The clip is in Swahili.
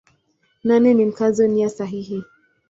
Nane ni Mkazo nia sahihi.